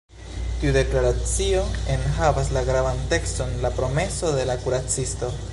Tiu deklaracio enhavas la gravan tekston “La promeso de la kuracisto”.